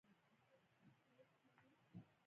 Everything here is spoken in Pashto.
نه باید د وسیلې او ابزار په توګه وي.